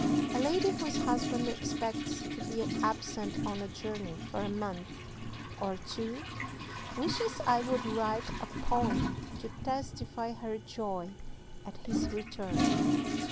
"A lady whose husband expects to be absent on a journey for a month or two wishes I would write a poem to testify her joy at his return.